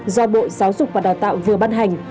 do bộ giáo dục và đào tạo vừa ban hành